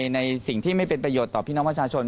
ในสิ่งที่ไม่เป็นประโยชน์ต่อพี่น้องประชาชน